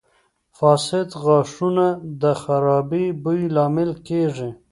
• فاسد غاښونه د خراب بوی لامل کیږي.